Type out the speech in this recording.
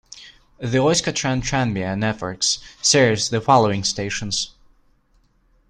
The Euskotren Tranbia networks serves the following stations.